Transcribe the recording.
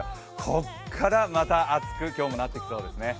ここからまた暑くなっていきそうですね。